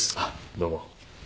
どうも。